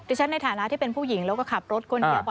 ตรงฉะนั้นในฐานะที่เป็นผู้หญิงแล้วก็ขับรถก่อนหนี